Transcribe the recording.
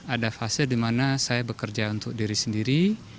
ada fase dimana saya bekerja untuk diri sendiri